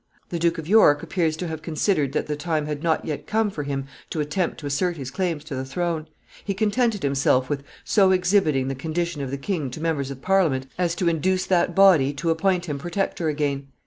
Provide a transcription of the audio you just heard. The Duke of York appears to have considered that the time had not yet come for him to attempt to assert his claims to the throne. He contented himself with so exhibiting the condition of the king to members of Parliament as to induce that body to appoint him protector again.